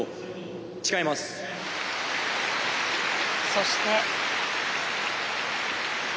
そして。